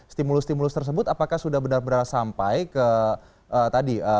stimulus stimulus tersebut apakah sudah benar benar sampai ke tadi